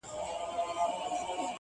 نه نجلۍ یې له فقیره سوای غوښتلای-